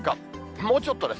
もうちょっとです。